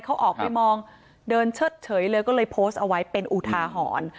เขาออกไปมองเดินเชิดเฉยเลยก็เลยโพสต์เอาไว้เป็นอุทาหรณ์